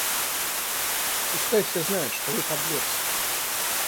Пускай все знают, что вы подлец!